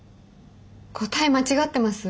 答え間違ってます？